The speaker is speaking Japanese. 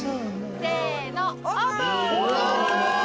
せーのオープン！